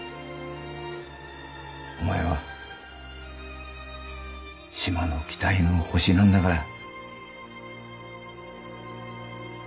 お前は島の期待の星なんだから。